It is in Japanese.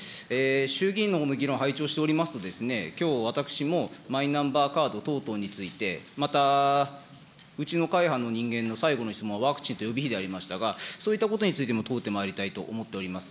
衆議院のほうの議論、拝聴しておりますと、きょう、私もマイナンバーカード等々につきまして、また、うちの会派の人間の最後の質問、ワクチンと予備費でありましたが、そういったことについても問うてまいりたいと思っております。